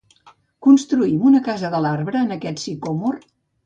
Construïm una casa de l'arbre en aquest sicòmor?